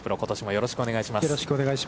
よろしくお願いします。